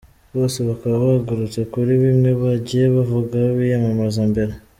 Bose bakaba bagarutse kuri bimwe bagiye bavuga biyamamaza mbere.